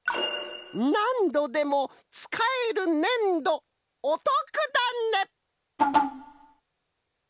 「なんどでもつかえるねんどおとくだね」。